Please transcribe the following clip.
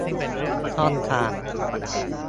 ช่องทาง